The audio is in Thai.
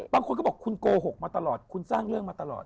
บางคนก็บอกคุณโกหกมาตลอดคุณสร้างเรื่องมาตลอด